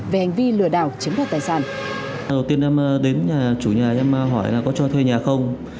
về hành vi lừa đảo chiếm đoạt tài sản